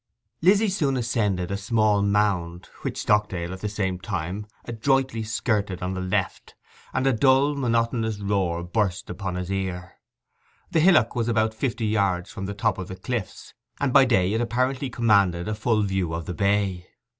Lizzy soon ascended a small mound, which Stockdale at the same time adroitly skirted on the left; and a dull monotonous roar burst upon his ear. The hillock was about fifty yards from the top of the cliffs, and by day it apparently commanded a full view of the bay.